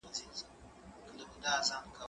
زه هره ورځ ږغ اورم!؟